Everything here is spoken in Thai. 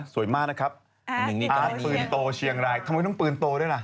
สวยมากนะครับร้านปืนโตเชียงรายทำไมต้องปืนโตด้วยล่ะ